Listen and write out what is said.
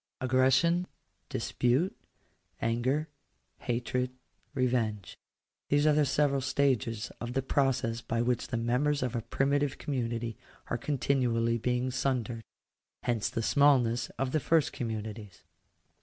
Aggression, dispute, anger, hatred, revenge — these are the several stages of the process by which the members of a primitive community are continually being sundered. Hence the smallness of the first communities.